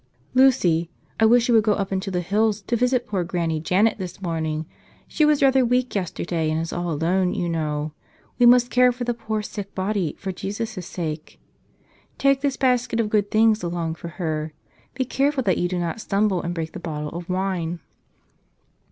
5)C "Lucy, I wish you would go up into the hills to visit poor Granny Janet this morning. She was rather weak yesterday and is all alone, you know. We must care for the poor sick body for Jesus' sake. Take this basket of good things along for her. Be careful that you do not stumble and break the bottle of wine."